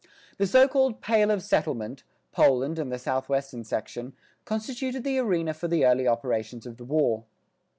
The so called "Pale of Settlement," Poland and the southwestern section, constituted the arena for the early operations of the war.